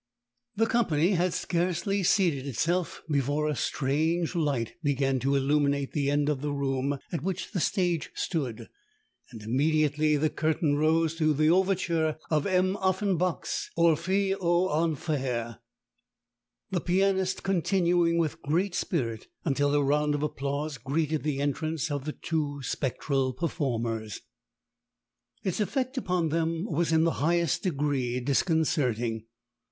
The company had scarcely seated itself, before a strange light began to illuminate that end of the room at which the stage stood, and immediately the curtain rose to the overture of M. Offenbach's Orphee aux Enfers, the pianist continuing with great spirit until a round of applause greeted the entrance of the two spectral performers. Its effect upon them was in the highest degree disconcerting.